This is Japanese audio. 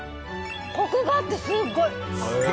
コクがあってすごい！